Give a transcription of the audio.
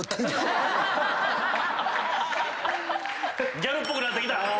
ギャルっぽくなってきた。